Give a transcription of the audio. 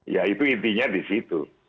ya itu intinya di situ